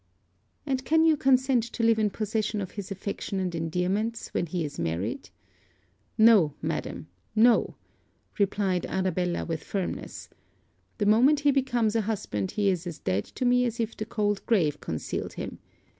'And can you consent to live in possession of his affection and endearments, when he is married?' 'No, madam, no!' replied Arabella with firmness. 'The moment he becomes a husband, he is as dead to me as if the cold grave concealed him.